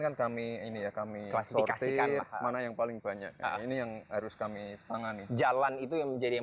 diklasifikasikan mana yang paling banyak ini yang harus kami tangani jalan itu yang menjadi yang